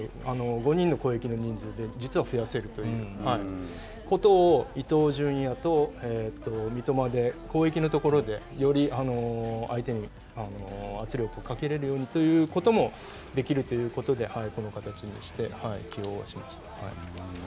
５人の攻撃の人数で実は増やせるということを伊東純也と三笘で、攻撃のところで、より相手に圧力をかけれるようにということもできるということでこの形にして、起用しました。